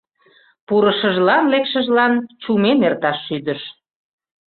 Пурышыжлан, лекшыжлан чумен эрташ шӱдыш.